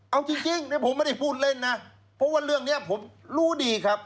เอาจริงผมไม่ได้พูดเล่นนะเพราะว่าเรื่องนี้ผมรู้ดีครับ